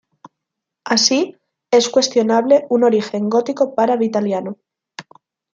Así, es cuestionable un origen gótico para Vitaliano.